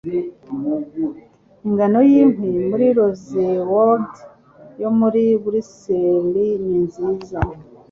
Ingano yinkwi muri rosewood yo muri Berezile ni nziza.